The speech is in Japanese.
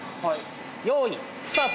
用意スタート！